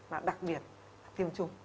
và đặc biệt là tiêm chủng